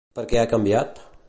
Per què ha canviat?